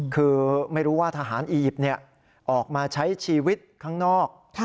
คือไม่รู้ว่าทหารอียิปต์ออกมาใช้ชีวิตข้างนอก